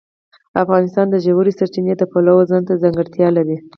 افغانستان د ژورې سرچینې د پلوه ځانته ځانګړتیا لري.